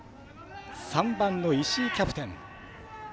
３番の石井キャプテン。